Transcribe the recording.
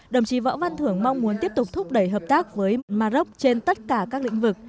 đồng chí võ văn thưởng mong muốn tiếp tục thúc đẩy hợp tác với maroc trên tất cả các lĩnh vực